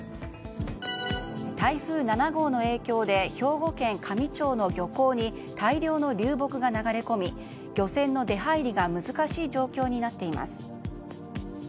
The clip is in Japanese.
台風７号の影響で兵庫県香美町の漁港に大量の流木が流れ込み漁船の出入りが難しい状況になっています。